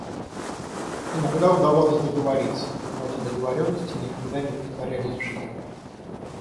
Иногда удавалось договориться, но эти договоренности никогда не претворялись в жизнь.